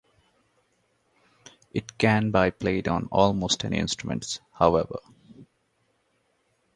It can by played on almost any instrument, however.